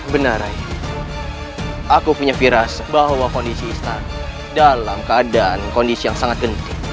benar rai aku punya firas bahwa kondisi istana dalam keadaan kondisi yang sangat gendut